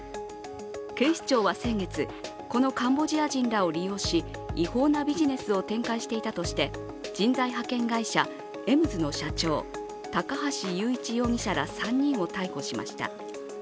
警視庁は先月、このカンボジア人らを利用し違法なビジネスを展開したとして人材派遣会社エムズの社長高橋裕一容疑者ら３人を逮捕しました。